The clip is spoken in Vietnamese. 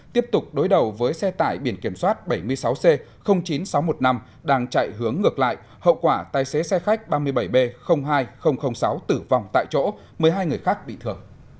tiếp tục đối đầu với xe tải biển kiểm soát bảy mươi sáu c chín nghìn sáu trăm một mươi năm đang chạy hướng ngược lại hậu quả tài xế xe khách ba mươi bảy b hai sáu tử vong tại chỗ một mươi hai người khác bị thừa